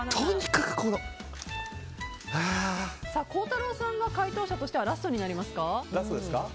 孝太郎さんが回答者としてはラストになりますか？